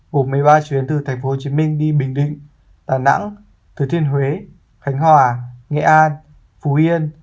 gồm một mươi ba chuyến từ tp hcm đi bình định đà nẵng thừa thiên huế khánh hòa nghệ an phú yên